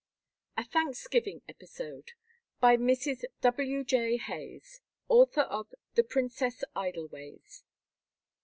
A THANKSGIVING EPISODE. BY MRS. W. J. HAYS, AUTHOR OF "THE PRINCESS IDLEWAYS."